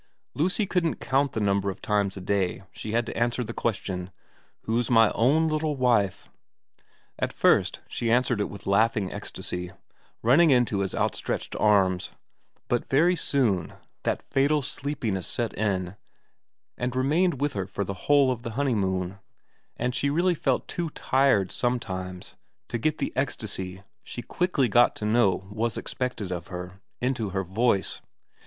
Lucy couldn't count the number of times a day she had to answer the question, * Who's my own little wife ?' At first she answered it with laughing ecstasy, running into his outstretched arms, but very soon that fatal 148 VERA TIT sleepiness set in and remained with her for the whole of her honeymoon, and she really felt too tired some times to get the ecstasy she quickly got to know was expected of her into her voice.